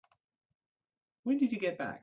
When did you get back?